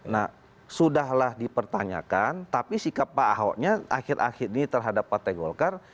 nah sudah lah dipertanyakan tapi sikap pak ahoknya akhir akhir ini terhadap pak tegolkar